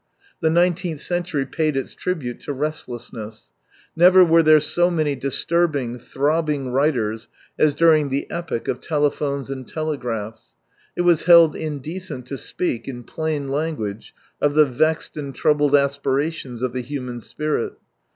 The nineteenth century paid its tribute to restlessness. Never were there so many disturbing, throbbing writers as during the epoch of telephones and tele graphs. It was held indecent to speak in plain language of the vexed and troubled aspirations of the human spirit.